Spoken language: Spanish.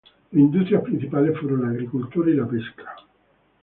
Las industrias principales fueron la agricultura y la pesca.